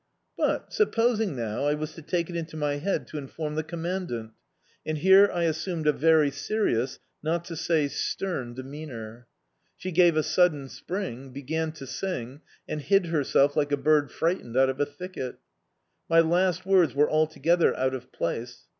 "But supposing, now, I was to take it into my head to inform the Commandant?" and here I assumed a very serious, not to say stern, demeanour. She gave a sudden spring, began to sing, and hid herself like a bird frightened out of a thicket. My last words were altogether out of place.